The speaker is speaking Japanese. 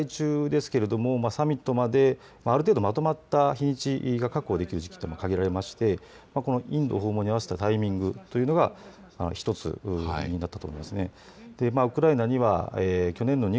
今、国会中ですが、サミットまである程度まとまった日にちが確保できる時期というのは限られていてインド訪問に合わせたタイミングというのが１つになったと思います。